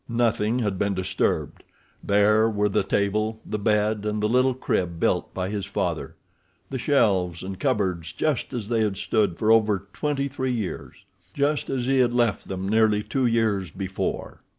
Nothing had been disturbed; there were the table, the bed, and the little crib built by his father—the shelves and cupboards just as they had stood for over twenty three years—just as he had left them nearly two years before.